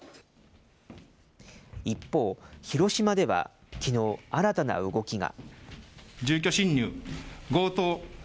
一方、広島ではきのう、新たな動きが。